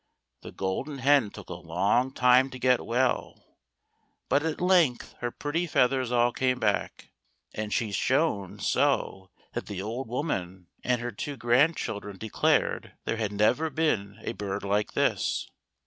The Golden Hen took a long time to get well, but at length her pretty feathers all came back, and she shone so that the old woman and her two grandchil dren declared there had never been a bird like this.